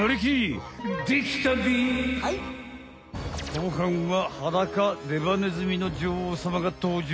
後半はハダカデバネズミの女王様が登場！